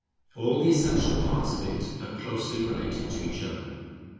All the essential parts of it are closely related to each other.